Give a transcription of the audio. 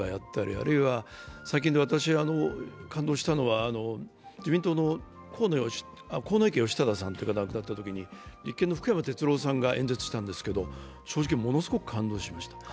あるいは最近、私が感動したのは自民党の鴻池さんが亡くなった時立憲の福山哲郎さんが演説したんですけども、正直、ものすごく感動しました。